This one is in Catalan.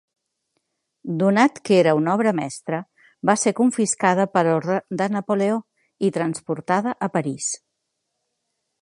Donat que era una obra mestra, va ser confiscada per ordre de Napoleó i transportada a París.